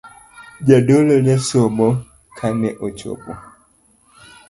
Jadolo ne somo kane ochopo.